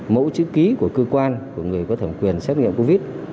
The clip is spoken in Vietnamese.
mẫu chữ ký của cơ quan của người có thẩm quyền xét nghiệm covid